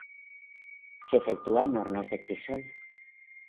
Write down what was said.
Se efectúa en hornos de crisol.